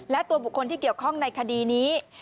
และตัวบุคคลที่เกี่ยวข้องในคดีนี้